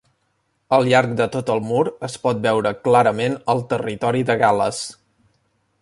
Al llarg de tot el mur es pot veure clarament el territori de Gal·les.